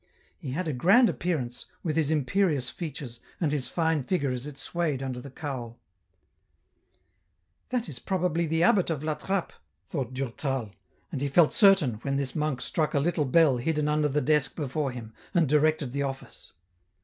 He had a grand appearance, with his imperious features, and his fine figure as it swayed under the cowl. " That is probably the abbot of La Trappe," thought Durtal, and he felt certain when this monk struck a little bell hidden under the desk before him, and directed the office.